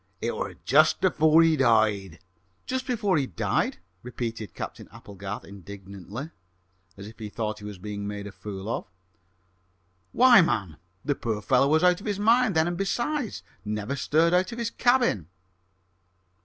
"It were jist afore he died." "Just before he died!" repeated Captain Applegarth indignantly, as if he thought he was being made a fool of. "Why, man, the poor fellow was out of his mind then, and besides, never stirred out of his cabin!"